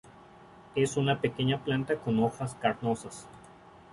Es una pequeña planta con hojas carnosas.